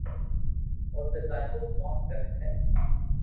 اوتي ڪاريگر ڪوم ڪري ھي